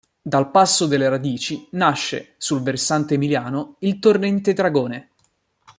Dal passo delle Radici nasce, sul versante emiliano, il torrente Dragone.